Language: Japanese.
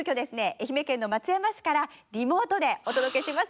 愛媛県の松山市からリモートでお届けします。